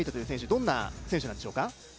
どんな選手なんでしょうか。